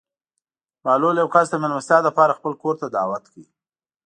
بهلول یو کس د مېلمستیا لپاره خپل کور ته دعوت کړ.